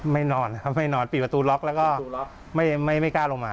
นอนครับไม่นอนปิดประตูล็อกแล้วก็ไม่กล้าลงมา